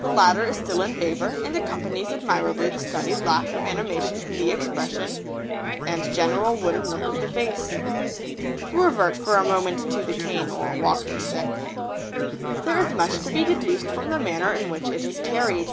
The latter is still in favour, and accompanies admirably the studied lack of animation in the expression and general wooden look of the face. To revert for a moment to the cane, or walking stick. [Sidenote: The stick.] There is much to be deduced from the manner in which it is carried.